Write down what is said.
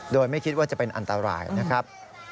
โดยไม่คิดว่าจะเป็นอันตรายนะครับ